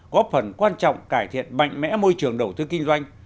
góp phần quan trọng cải thiện mạnh mẽ môi trường đầu tư kinh doanh